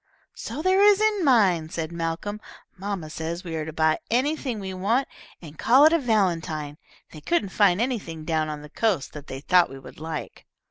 "So there is in mine," said Malcolm. "Mamma says we are to buy anything we want, and call it a valentine. They couldn't find anything down on the coast that they thought we would like."